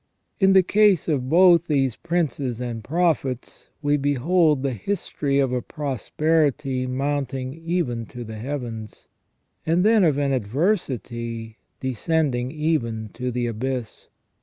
In the case of both these princes and prophets we behold the history of a prosperity " mounting even to the heavens," and then of an adversity " descending even to the abyss